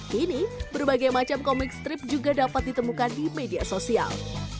kini berbagai macam komik strip juga dapat ditemukan di media sosial